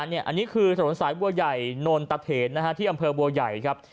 เนี้ยอันนี้คือถนนสายบัวใหญ่นณรตัฐานนะฮะที่อำเพิร์ฟบัวใหญ่ครับ